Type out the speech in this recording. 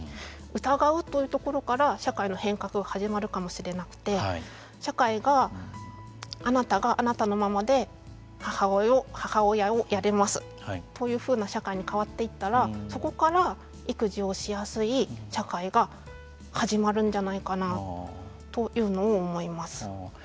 疑うというところから社会の変革が始まるかもしれなくて社会があなたがあなたのままで母親をやれますというふうな社会に変わっていったらそこから育児をしやすい社会が始まるんじゃないかなというのを思います。